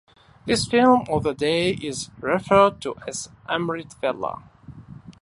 This time of the day is referred to as "Amrit Vela".